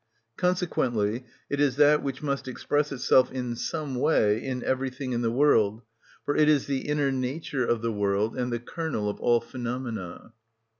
Consequently it is that which must express itself in some way in everything in the world, for it is the inner nature of the world and the kernel of all phenomena.